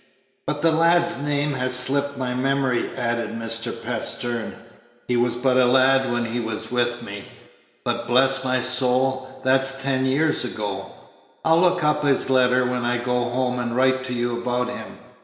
"But the lad's name has slipped my memory," added Mr. Pastern; "he was but a lad when he was with me; but, bless my soul, that's ten years ago! I'll look up his letter when I go home, and write to you about him.